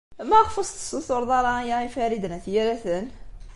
Maɣef ur as-tessutureḍ aya i Farid n At Yiraten?